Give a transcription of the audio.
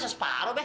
mas separok nih